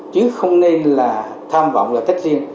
chứ không nên là tham vọng là tích riêng